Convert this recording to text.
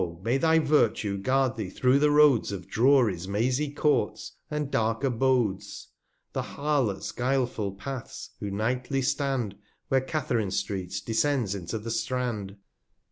may thy Virtue guard thee through the Roads Of Drury\ mazy Courts, and dark Abodes, 260 The Harlots' guileful Paths, who nightly stand, _Where Katherine street descends into the Strand.